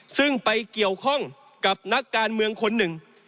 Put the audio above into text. ซึ่งไปเกี่ยวข้องกับนักการเมืองคนหนึ่ง